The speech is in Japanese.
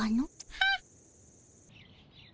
はっ？